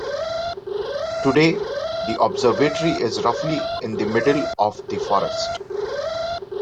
Today, the observatory is roughly in the middle of the forest.